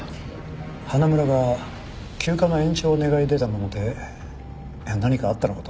花村が休暇の延長を願い出たもので何かあったのかと。